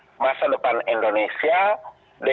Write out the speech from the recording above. ini orang belajar yang berbicara tentang bagaimana pandemi ini